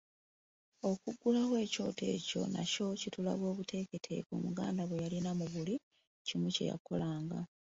Okuggulawo ekyoto ekyo nakyo kitulaga obuteeketeeke Omuganda bwe yalina mu buli kimu kye yakolanga.